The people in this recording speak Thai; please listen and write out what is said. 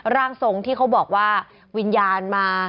ร่างทรงที่เขาบอกว่าวิญญาณมา